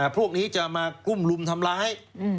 พวกนี้จะมากลุ้มรุมทำร้าย